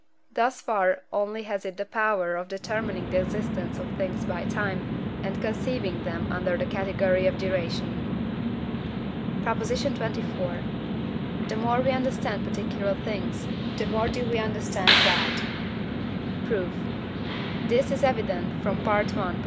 Thus far only has it the power of determining the existence of things by time, and conceiving them under the category of duration. PROP. XXIV. The more we understand particular things, the more do we understand God. Proof. This is evident from I.